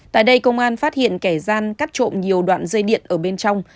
tại đây công an phát hiện kẻ gian cắt trộm nhiều đoạn dây điện ở bên trong